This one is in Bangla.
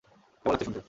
কেমন লাগছে শুনতে?